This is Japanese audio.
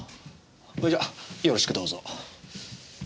それじゃよろしくどうぞ。